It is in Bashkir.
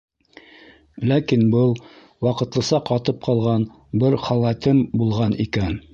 Ләкин был ваҡытлыса ҡатып ҡалған бер халәтем булған икән.